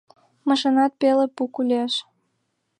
Машинат пеле пу кӱлеш.